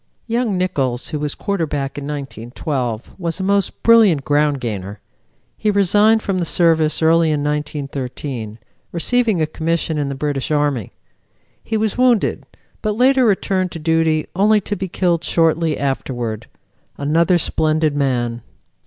Young Nichols, who was quarterback in 1912, was a most brilliant ground gainer. He resigned from the Service early in 1913, receiving a commission in the British Army. He was wounded, but later returned to duty only to be killed shortly afterward. Another splendid man.